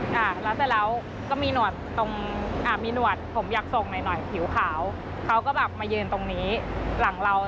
เขาก็มายืนหลังเรา